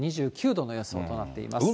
２９度の予想となっています。